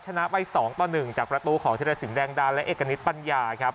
ชนะไป๒ต่อ๑จากประตูของธิรสินแดงดาและเอกณิตปัญญาครับ